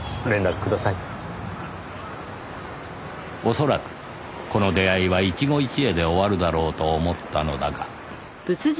恐らくこの出会いは一期一会で終わるだろうと思ったのだが